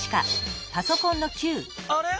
あれ？